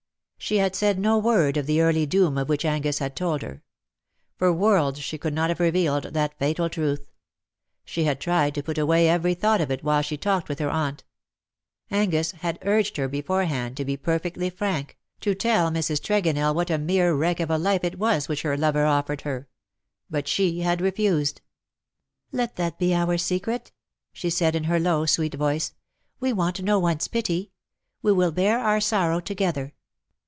She had said no word of that early doom of which Angus had told her. For worlds she could not have revealed that fatal truth. She had tried to put away every thought of it while she talked with her aunt. Angus had urged her beforehand to be per fectly frank,, to tell Mrs. Tregonell what a mere wreck of a life it was which her lover oft'ered her: but she had refused. " Let that be our secret/" she said, in her low sweet voice. ^' We want no one"s pity. We will bear our sorrow together.